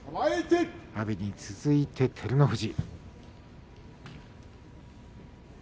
阿炎に続いて照ノ富士。